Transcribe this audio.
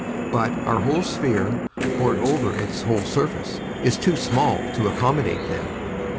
But our whole sphere, bored over its whole surface, is too small to accommodate them.